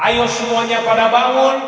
ayo semuanya pada bangun